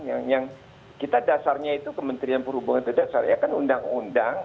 yang kita dasarnya itu kementerian perhubungan itu dasar ya kan undang undang